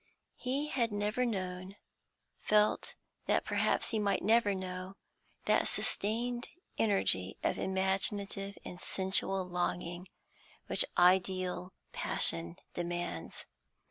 He had never known, felt that perhaps he might never know, that sustained energy of imaginative and sensual longing which ideal passion demands.